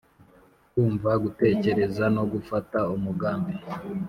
kumva, gutekereza no gufata umugambi